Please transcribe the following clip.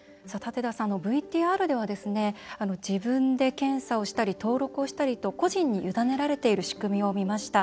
ＶＴＲでは「自分で」検査をしたり登録をしたりと、個人に委ねられている仕組みを見ました。